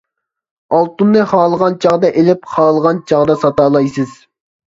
ئالتۇننى خالىغان چاغدا ئېلىپ، خالىغان چاغدا ساتالايسىز.